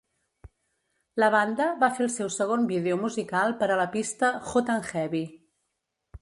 La banda va fer el seu segon vídeo musical per a la pista "Hot and Heavy".